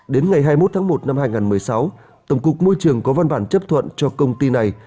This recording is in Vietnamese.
đến ngày hai mươi một tháng một năm hai nghìn một mươi sáu tổng cục môi trường có văn bản chấp thuận cho công ty này